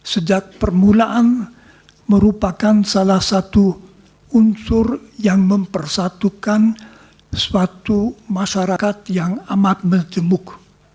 sejak permulaan merupakan salah satu unsur yang mempersatukan suatu masyarakat yang amat menjemuk